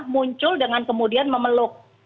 muncul dengan kemudian memeluk